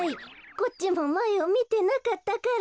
こっちもまえをみてなかったから。